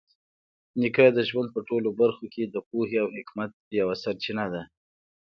نیکه د ژوند په ټولو برخو کې د پوهې او حکمت یوه سرچینه ده.